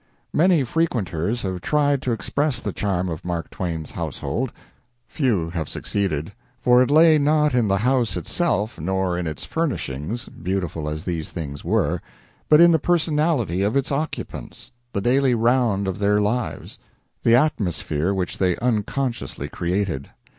Many frequenters have tried to express the charm of Mark Twain's household. Few have succeeded, for it lay not in the house itself, nor in its furnishings, beautiful as these things were, but in the personality of its occupants the daily round of their lives the atmosphere which they unconsciously created.